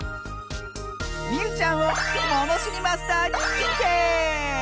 みうちゃんをものしりマスターににんてい！